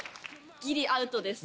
ギリアウトです。